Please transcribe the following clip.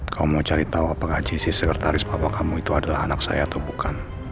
kamu mau cari tahu apakah jesse sekretaris papa kamu itu adalah anak saya atau bukan